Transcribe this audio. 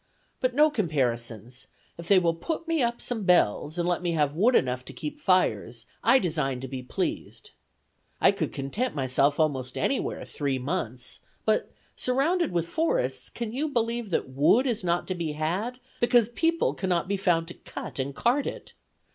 But no comparisons; if they will put me up some bells, and let me have wood enough to keep fires, I design to be pleased. I could content myself almost anywhere three months; but, surrounded with forests, can you believe that wood is not to be had, because people cannot be found to cut and cart it!